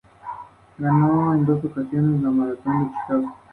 Actualmente es entrenada por su padre Carlos y el ex tenista Thomaz Koch.